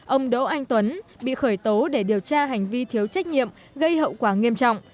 ông đỗ anh tuấn bị khởi tố để điều tra hành vi thiếu trách nhiệm gây hậu quả nghiêm trọng